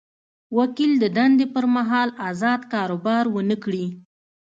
وکیل د دندې پر مهال ازاد کاروبار ونه کړي.